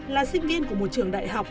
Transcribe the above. là sinh viên của một trường đại học